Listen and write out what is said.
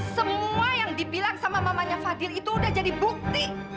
semua yang dibilang sama mamanya fadil itu udah jadi bukti